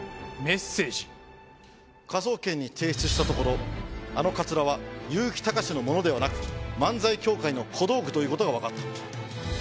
科捜研に提出したところあのカツラは結城たかしのものではなく漫才協会の小道具という事がわかった。